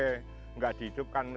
yang lebih leher